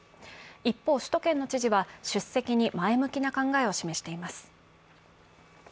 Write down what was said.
一方、首都圏の知事は出席に前向きな考えを示しています。